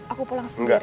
aku pulang sendiri